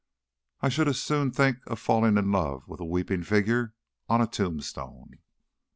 I should as soon think of falling in love with a weeping figure on a tombstone."